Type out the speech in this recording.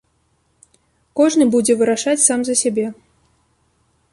Кожны будзе вырашаць сам за сябе.